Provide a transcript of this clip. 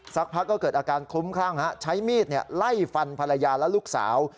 สักพักก็เกิดอาการคลุ้มคลั่งใช้มีดไล่ฟันภรรยาและลูกสาว